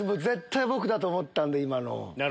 絶対僕だと思ったんで今の。